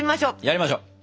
やりましょう！